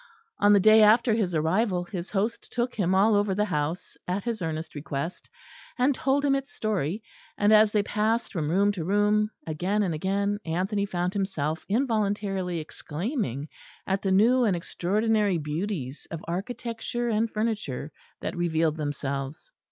On the day after his arrival, his host took him all over the house, at his earnest request, and told him its story; and as they passed from room to room, again and again Anthony found himself involuntarily exclaiming at the new and extraordinary beauties of architecture and furniture that revealed themselves.